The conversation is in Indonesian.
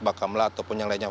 baka melat ataupun yang lainnya